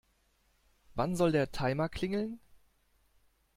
Wann soll der Timer klingeln?